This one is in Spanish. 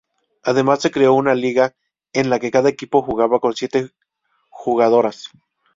Además se creó una liga en la que cada equipo jugaba con siete jugadoras.